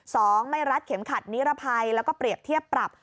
สองไม่รัดเข็มขัดนิรภัยแล้วก็เปรียบเทียบปรับ